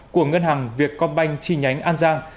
của ngân hàng việt công banh chi nhánh an giang